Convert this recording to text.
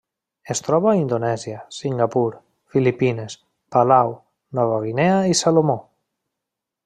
Es troba a Indonèsia, Singapur, Filipines, Palau, Nova Guinea i Salomó.